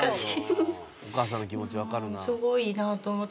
お母さんの気持ち分かるなあ。